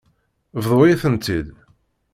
Bḍu-yi-tent-id.